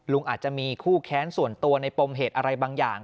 อาจจะมีคู่แค้นส่วนตัวในปมเหตุอะไรบางอย่าง